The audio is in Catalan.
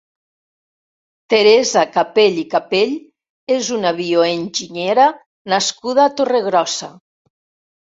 Teresa Capell i Capell és una bioenginyera nascuda a Torregrossa.